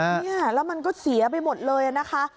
เนี่ยแล้วมันก็เสียไปหมดเลยนะคะ